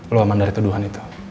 lo aman dari tuduhan itu